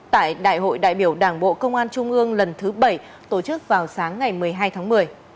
tại đại hội đại biểu đảng bộ công an trung ương lần thứ bảy tổ chức vào sáng ngày một mươi hai tháng một mươi